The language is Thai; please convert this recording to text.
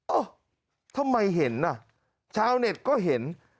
เอ้าทำไมเห็นน่ะชาวเน็ตก็เห็น